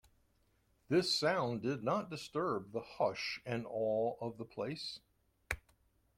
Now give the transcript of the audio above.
This sound did not disturb the hush and awe of the place.